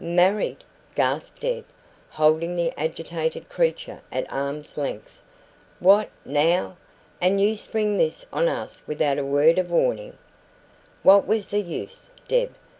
"Married!" gasped Deb, holding the agitated creature at arm's length. "What NOW? And you spring this on us without a word of warning " "What was the use, Deb?